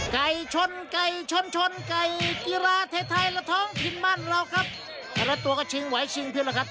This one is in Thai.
ไก่ชนไก่ชนชนไก่กีฬาเทฐายละท้องทินมั่นเราครับแต่ละตัวก็ชิงไหวชิงพิวล่ะครับ